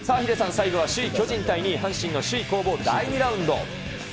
最後は、首位巨人対、２位阪神の首位攻防第２ラウンド。